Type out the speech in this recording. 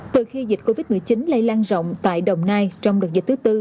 từ khi dịch covid một mươi chín lây lan rộng tại đồng nai trong đợt dịch thứ tư